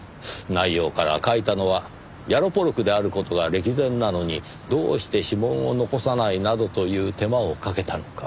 内容から書いたのはヤロポロクである事が歴然なのにどうして指紋を残さないなどという手間をかけたのか。